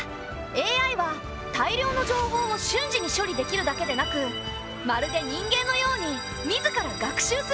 ＡＩは大量の情報を瞬時に処理できるだけでなくまるで人間のように自ら学習することができるんだ。